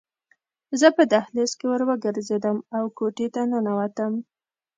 زه په دهلیز کې ورو ګرځېدم او کوټې ته ننوتم